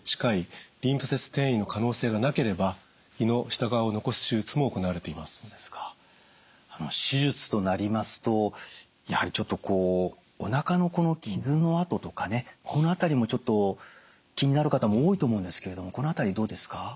ただ最近では術式も改良され手術となりますとやはりちょっとこうおなかのこの傷の痕とかねこの辺りもちょっと気になる方も多いと思うんですけれどもこの辺りどうですか？